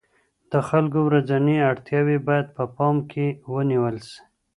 د خلګو ورځنۍ اړتیاوې باید په پام کي ونیول سي.